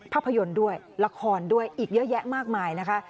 ภาพยนตร์ด้วยละครด้วยอีกเยอะแยะมากมายนะคะ